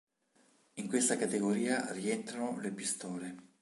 In questa categoria rientrano le pistole.